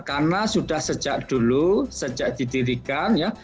karena sudah sejak dulu sejak didirikan ya